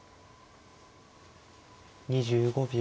２５秒。